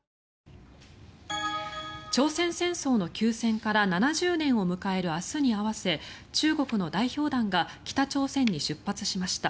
朝鮮戦争の休戦から７０年を迎える明日に合わせ中国の代表団が北朝鮮に出発しました。